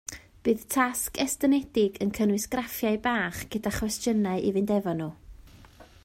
Bydd tasg estynedig yn cynnwys graffiau bach gyda chwestiynau i fynd efo nhw